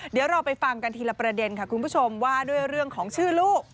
เดี๋ยวเราไปฟังกันทีละประเด็นค่ะคุณผู้ชมว่าด้วยเรื่องของชื่อลูก